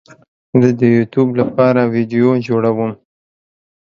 زه د یوټیوب لپاره ویډیو جوړوم